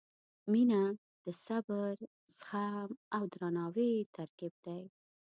• مینه د صبر، زغم او درناوي ترکیب دی.